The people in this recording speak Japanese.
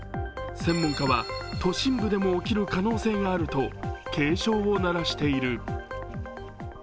専門家は都心部でも起きる可能性があると警鐘を鳴らしている。